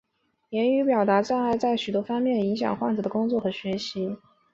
言语表达障碍在许多方面影响患者的工作和学习。